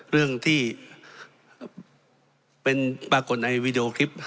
เรื่องที่เป็นปรากฏในวีดีโอคลิป